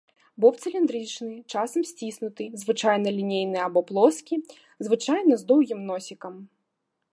Боб цыліндрычны, часам сціснуты, звычайна лінейны або плоскі, звычайна з доўгім носікам.